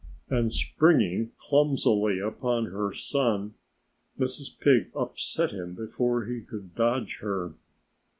And springing clumsily upon her son, Mrs. Pig upset him before he could dodge her.